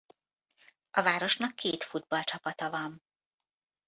A városnak két futballcsapata van.